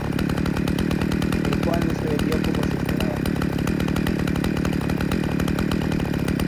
El cual no se vendió como se esperaba.